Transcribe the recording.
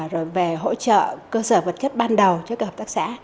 rồi về hỗ trợ cơ sở vật chất ban đầu cho các hợp tác xã